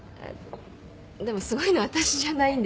でもすごいの私じゃないんで。